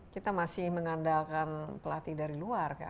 kita masih mengandalkan pelatih dari luar kan